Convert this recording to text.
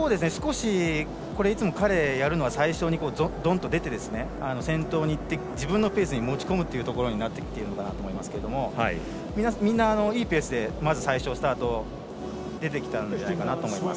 いつも彼がやるのは最初にどんと出て、先頭に行って自分のペースに持ち込むというところですがみんな、いいペースでまず最初、スタート出てきたんじゃないかなと思います。